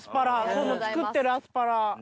この作ってるアスパラ。